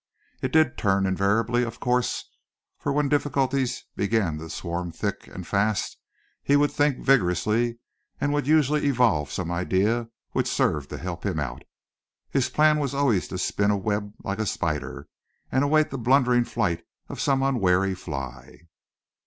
It did turn invariably, of course, for when difficulties began to swarm thick and fast he would think vigorously and would usually evolve some idea which served to help him out. His plan was always to spin a web like a spider and await the blundering flight of some unwary fly.